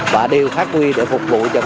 và đều phát huy để phục vụ cho